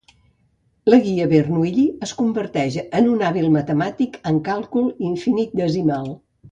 La guia de Bernoulli el converteix en un hàbil matemàtic en càlcul infinitesimal.